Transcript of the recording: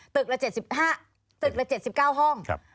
ตึกละ๗๙ห้อง